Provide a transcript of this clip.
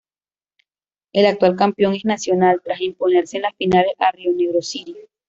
El actual campeón es Nacional, tras imponerse en las finales a Río Negro City.